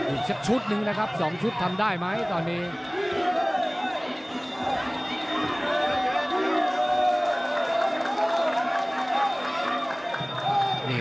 อีกสักชุดหนึ่งนะครับ๒ชุดทำได้ไหมตอนนี้